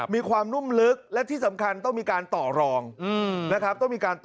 มีความนุ่มลึกและที่สำคัญต้องมีการต่อรองนะครับ